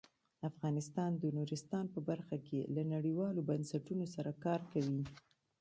افغانستان د نورستان په برخه کې له نړیوالو بنسټونو سره کار کوي.